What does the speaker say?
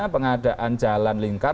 pengadaan jalan lingkar